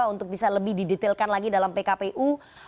untuk bisa lebih didetailkan lagi dalam pkpu